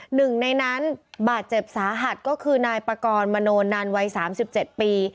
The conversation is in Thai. หนึ่งในนั้นบาดเจ็บสาหัสก็คือนายปากรมโนนันวัย๓๗ปี